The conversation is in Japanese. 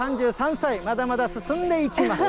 ３３歳、まだまだ進んでいきます。